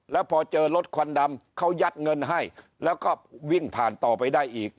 แล้วพอเจอรถควันดำเขายัดเงินให้แล้วก็วิ่งผ่านต่อไปได้อีก